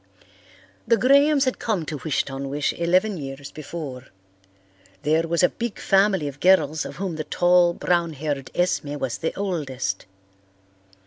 The Grahams had come to Wish ton wish eleven years before. There was a big family of girls of whom the tall, brown haired Esme was the oldest.